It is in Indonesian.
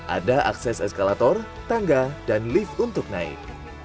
ada akses eskalator tangga dan lift untuk naik